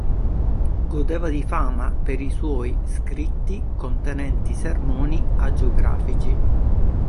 Godeva di fama per i suoi scritti contenenti sermoni agiografici.